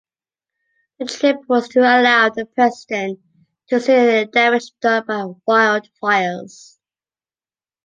The trip was to allow the president to see the damage done by wildfires.